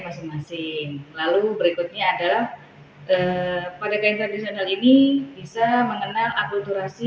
masing masing lalu berikutnya adalah pada gaya tradisional ini bisa mengenal akulturasi